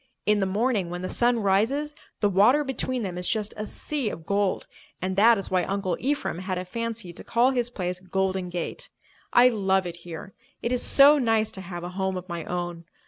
In the morning, when the sun rises, the water between them is just a sea of gold, and that is why Uncle Ephraim had a fancy to call his place Golden Gate. I love it here. It is so nice to have a home of my own.